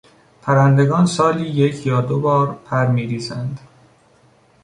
پرندگان سالی یک یا دو بار پر میریزند.